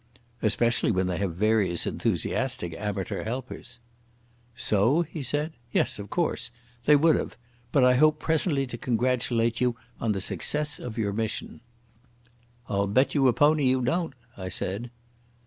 "Especially when they have various enthusiastic amateur helpers." "So?" he said. "Yes, of course. They would have. But I hope presently to congratulate you on the success of your mission." "I'll bet you a pony you don't," I said.